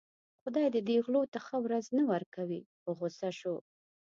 خدای دې دې غلو ته ښه ورځ نه ورکوي په غوسه شو.